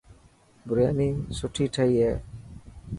برياني سٺي تهئي هي.